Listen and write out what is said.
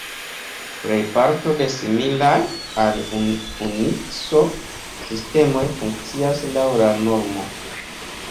Plejparto de similaj al Unikso sistemoj funkcias laŭ la normo.